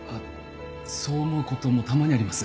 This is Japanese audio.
そう思う事もたまにあります。